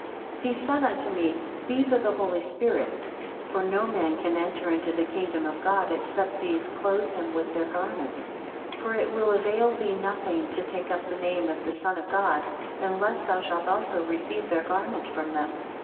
He said unto me, These are the holy spirits, for no man can enter into the kingdom of God, except these clothe him with their garment, 122 For it will avail thee nothing to take up the name of the Son of God, unless thou shalt also receive their garment from them.